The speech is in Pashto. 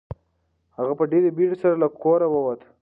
هغه په ډېرې بیړې سره له کوره ووت.